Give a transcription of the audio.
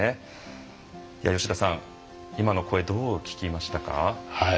吉田さん、今の声どう聞きましたか？